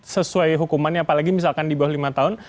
sesuai hukumannya apalagi misalkan di bawah lima tahun